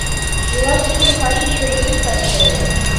د هېواد په ټولو ښارونو کې ګډوډي خپره شوې وه.